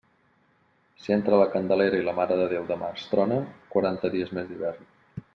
Si entre la Candelera i la Mare de Déu de març trona, quaranta dies més d'hivern.